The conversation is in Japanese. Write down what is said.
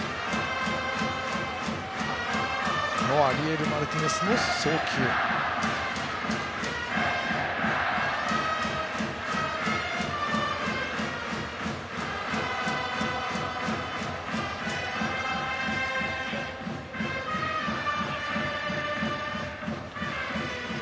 アリエル・マルティネスの送球がありました。